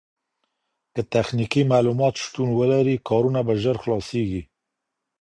که تخنيکي معلومات شتون ولري کارونه به ژر خلاصيږي.